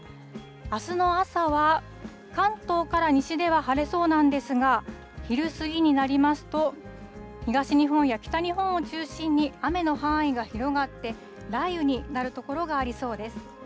あすの朝は、関東から西では晴れそうなんですが、昼過ぎになりますと、東日本や北日本を中心に雨の範囲が広がって、雷雨になる所がありそうです。